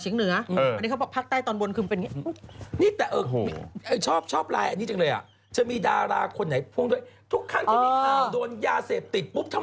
ไม่ใช่แล้วแบบว่าจะต้องแบบโดนเป็นคนหนึ่ง